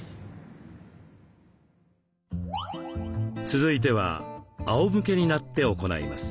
続いてはあおむけになって行います。